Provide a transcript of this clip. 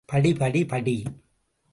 படி, படி, படி.